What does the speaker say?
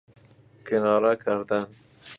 کناره کردن